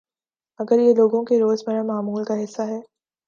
مگر یہ لوگوں کے روزمرہ معمول کا حصہ ہے